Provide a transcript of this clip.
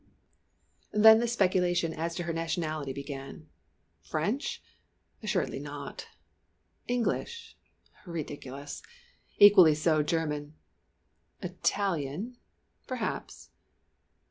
Then the speculation as to her nationality began. French? assuredly not. English? ridiculous! Equally so German. Italian? perhaps.